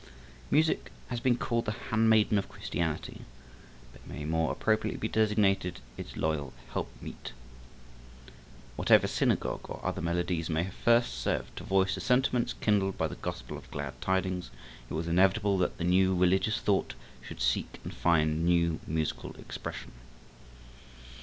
Music has been called the handmaiden of Christianity, but may more appropriately be designated its loyal helpmeet. Whatever synagogue or other melodies may have first served to voice the sentiments kindled by the Gospel of Glad Tidings it was inevitable that the new religious thought should seek and find new musical expression.